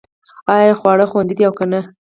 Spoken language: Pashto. ایا خواړه خوندي دي او که نه